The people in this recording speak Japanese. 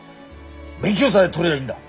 免許さえ取りゃいいんだ。